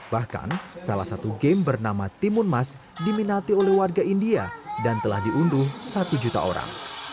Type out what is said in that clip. bahkan salah satu game bernama timun mas diminati oleh warga india dan telah diunduh satu juta orang